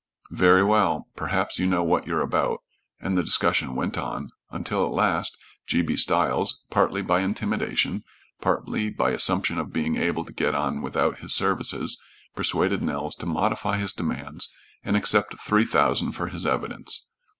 "Very well. Perhaps you know what you're about," and the discussion went on, until at last G. B. Stiles, partly by intimidation, partly by assumption of being able to get on without his services, persuaded Nels to modify his demands and accept three thousand for his evidence.